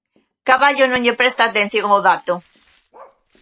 Caballo non lle presta atención ao dato.